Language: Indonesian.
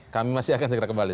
kami masih akan segera kembali